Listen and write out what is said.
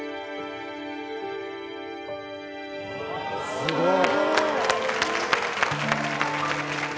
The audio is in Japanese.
すごい。